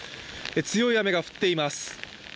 強い雨が降っています。